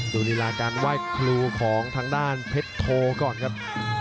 ดูฤลาคารว่ายครูของทางด้านเพชรโทก่อนครับ